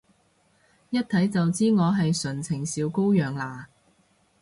一睇就知我係純情小羔羊啦？